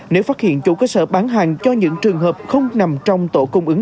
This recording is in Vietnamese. nếu phát hiện chủ cơ sở bán hàng cho những trường hợp không nằm trong tổ công ứng